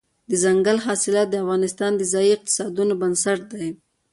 دځنګل حاصلات د افغانستان د ځایي اقتصادونو بنسټ دی.